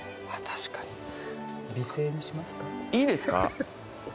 確かにいいですか？